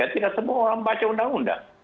tidak semua orang baca undang undang